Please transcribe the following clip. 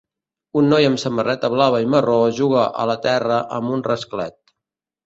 Un noi amb samarreta blava i marró juga a la terra amb un rasclet.